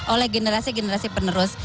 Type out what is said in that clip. oleh generasi generasi penerus